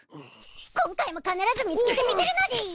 今回も必ず見つけてみせるのでぃす！